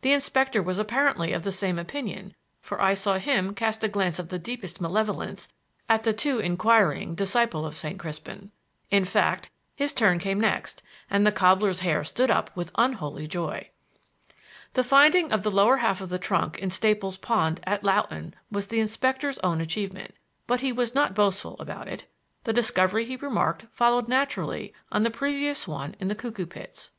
The inspector was apparently of the same opinion, for I saw him cast a glance of the deepest malevolence at the too inquiring disciple of St. Crispin. In fact, his turn came next, and the cobbler's hair stood up with unholy joy. The finding of the lower half of the trunk in Staple's Pond at Loughton was the inspector's own achievement, but he was not boastful about it. The discovery, he remarked, followed naturally on the previous one in the Cuckoo Pits.